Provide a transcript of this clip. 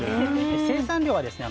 生産量はですね